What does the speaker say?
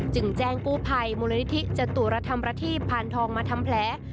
แจ้งกู้ภัยมูลนิธิจตุรธรรมประทีพานทองมาทำแผล